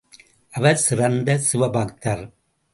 அவர் சிறந்த சிவபக்தர்.